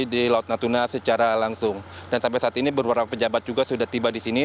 di laut natuna secara langsung dan sampai saat ini beberapa pejabat juga sudah tiba di sini